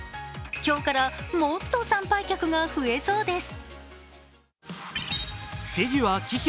今日からもっと参拝客が増えそうです。